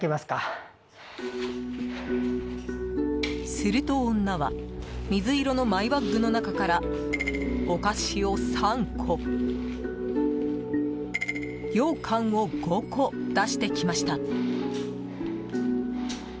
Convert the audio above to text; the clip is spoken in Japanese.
すると、女は水色のマイバッグの中からお菓子を３個ようかんを５個出してきました。